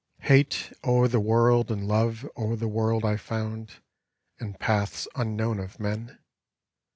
Hate o' the world and Love o' the world I found In paths unknown of men.